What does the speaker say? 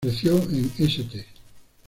Creció en St.